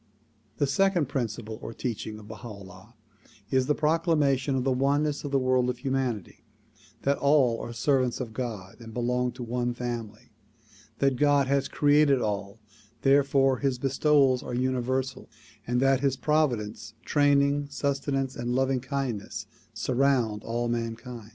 The second principle or teaching of Baha 'Ullah is the procla mation of the oneness of the world of humanity; that all are servants of God and belong to one family ; that God has created all therefore his bestowals are universal ; and that his providence, training, sustenance and loving kindness surround all mankind.